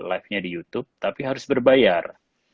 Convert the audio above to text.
live nya di youtube tapi harus berbayar